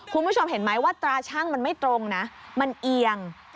คุณผู้ชมเห็นไหมว่าตราชั่งมันไม่ตรงนะมันเอียง